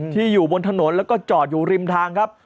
อยู่บนถนนแล้วก็จอดอยู่ริมทางครับ